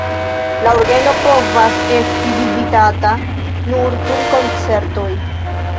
La orgeno povas esti vizitata nur dum koncertoj.